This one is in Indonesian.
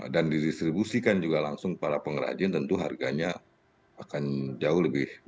dan didistribusikan juga langsung para pengrajin tentu harganya akan jauh lebih